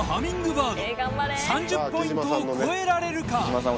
バート３０ポイントを超えられるか？